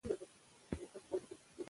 دا سیستم دوام کوي.